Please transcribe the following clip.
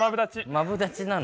マブダチなの？